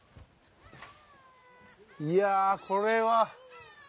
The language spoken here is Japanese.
いやぁこれは。